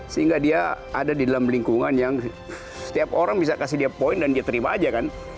sehingga dia ada di dalam lingkungan yang setiap orang bisa kasih dia poin dan dia terima aja kan